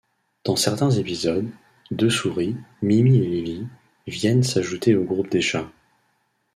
Dans certains épisodes, deux souris, Mimi et Lili, viennent s'ajouter au groupe des chats.